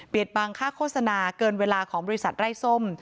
บางค่าโฆษณาเกินเวลาของบริษัทไร้ส้ม